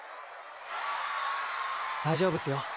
大丈夫ですよ。